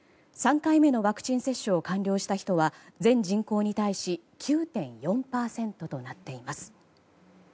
３回目のワクチン接種を完了した人は全人口に対し９．４％となっています。